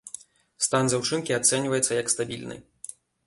Стан дзяўчынкі ацэньваецца як стабільны.